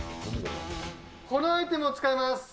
このアイテムを使います。